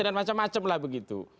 dan macam macam lah begitu